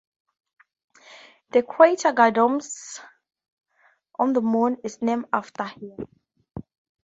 The crater Gadomski on the Moon is named after him.